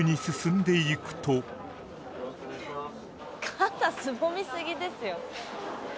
「肩すぼめすぎですよ」